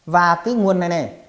và cái nguồn này này